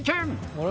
あれ？